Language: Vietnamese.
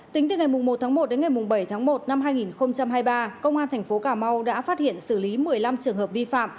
tính từ ngày một bảy một hai nghìn hai mươi ba công an tp cà mau đã phát hiện xử lý một mươi năm trường hợp vi phạm